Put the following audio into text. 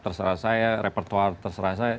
terserah saya repertuar terserah saya